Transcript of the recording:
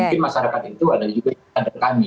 mungkin masyarakat itu ada juga di antara kami